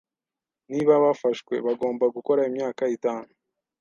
Niba bafashwe, bagomba gukora imyaka itanu.